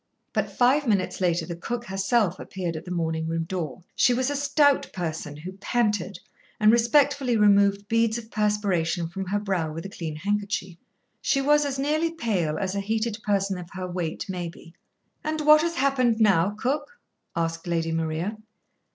But five minutes later the cook herself appeared at the morning room door. She was a stout person, who panted, and respectfully removed beads of perspiration from her brow with a clean handkerchief. She was as nearly pale as a heated person of her weight may be. "And what has happened now, cook?" asked Lady Maria.